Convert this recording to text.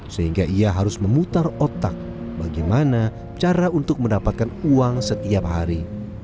sehingga ia harus memutar otak bagaimana cara untuk mendapatkan uang setiap hari